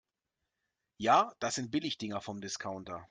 Ja, das sind Billigdinger vom Discounter.